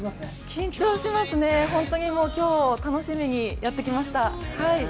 緊張しますね、本当に今日を楽しみにやってきました。